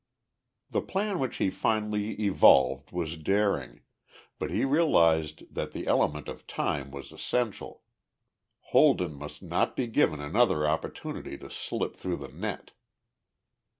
The plan which he finally evolved was daring, but he realized that the element of time was essential. Holden must not be given another opportunity to slip through the net.